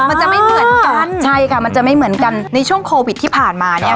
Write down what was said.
มันจะไม่เหมือนกันใช่ค่ะมันจะไม่เหมือนกันในช่วงโควิดที่ผ่านมาเนี้ย